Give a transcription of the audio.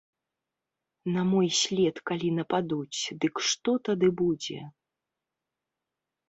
На мой след калі нападуць, дык што тады будзе?